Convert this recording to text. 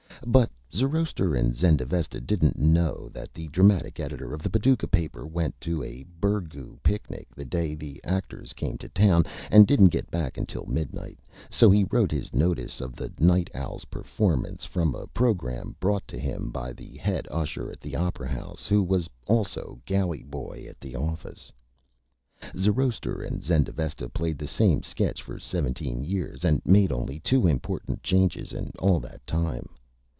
But Zoroaster and Zendavesta didn't know that the Dramatic Editor of the Paducah Paper went to a Burgoo Picnic the Day the Actors came to Town, and didn't get back until Midnight, so he wrote his Notice of the Night Owls' performance from a Programme brought to him by the Head Usher at the Opera House, who was also Galley Boy at the Office. Zoroaster and Zendavesta played the same Sketch for Seventeen Years and made only two important Changes in all that Time.